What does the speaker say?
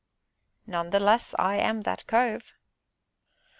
"None the less, I am that cove!"